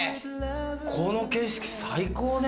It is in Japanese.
この景色最高ね。